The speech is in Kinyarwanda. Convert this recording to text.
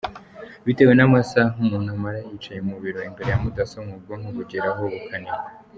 Bitewe n’amasaha umuntu amara yicaye mu biro imbere ya mudasobwa, ubwonko bugeraho bukanebwa.